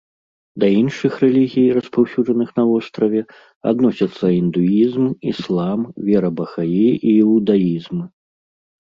Да іншых рэлігій, распаўсюджаных на востраве, адносяцца індуізм, іслам, вера бахаі і іудаізм.